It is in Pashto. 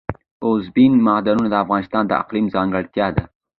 اوبزین معدنونه د افغانستان د اقلیم ځانګړتیا ده.